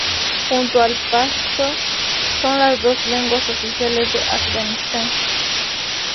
Junto al pashto son las dos lenguas oficiales de Afganistán.